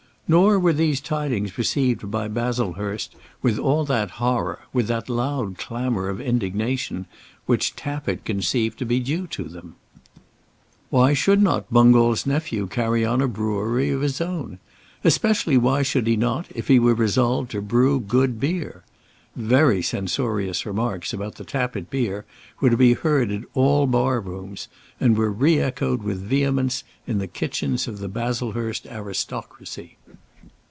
Nor were these tidings received by Baslehurst with all that horror, with that loud clamour of indignation, which Tappitt conceived to be due to them. Baslehurst, I should say, as a whole, received the tidings with applause. Why should not Bungall's nephew carry on a brewery of his own? Especially why should he not, if he were resolved to brew good beer? Very censorious remarks about the Tappitt beer were to be heard in all bar rooms, and were re echoed with vehemence in the kitchens of the Baslehurst aristocracy.